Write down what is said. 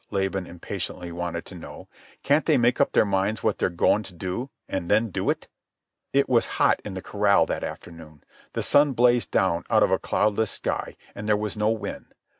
Laban impatiently wanted to know. "Can't they make up their minds what they're goin' to do, an' then do it?" It was hot in the corral that afternoon. The sun blazed down out of a cloudless sky, and there was no wind.